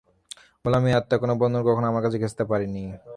বলো আমি আত্মা, কোন বন্ধন কখনও আমার কাছে ঘেঁষতে পারেনি।